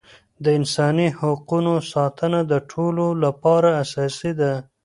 د انساني حقونو ساتنه د ټولو لپاره اساسي ده.